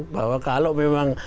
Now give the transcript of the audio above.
bahwa kalau memang